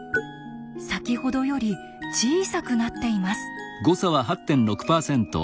先ほどより小さくなっています。